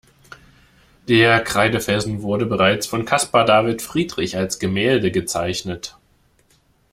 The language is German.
Der Kreidefelsen wurde bereits von Caspar David Friedrich als Gemälde gezeichnet.